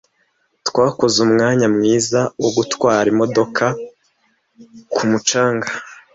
twakoze umwanya mwiza wo gutwara imodoka ku mucanga.